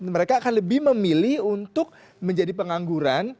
mereka akan lebih memilih untuk menjadi pengangguran